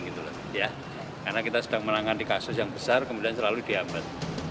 karena kita sedang menangani kasus yang besar kemudian selalu diambil